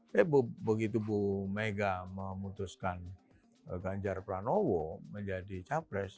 tapi begitu bu mega memutuskan ganjar pranowo menjadi capres